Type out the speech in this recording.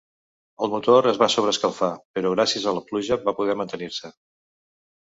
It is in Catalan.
El motor es va sobreescalfar, però gràcies a la pluja va poder mantenir-se.